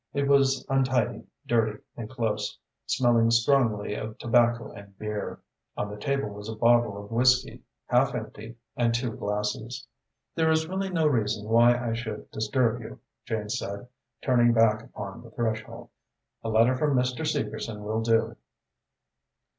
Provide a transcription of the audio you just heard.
It was untidy, dirty and close, smelling strongly of tobacco and beer. On the table was a bottle of whisky, half empty, and two glasses. "There is really no reason why I should disturb you," Jane said, turning back upon the threshold. "A letter from Mr. Segerson will do."